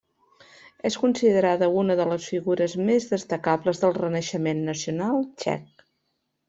És considerada una de les figures més destacades del renaixement nacional txec.